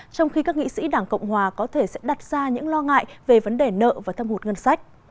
trong khi các nghị sĩ đảng cộng hòa có thể sẽ đặt ra những lo ngại về vấn đề nợ và thâm hụt ngân sách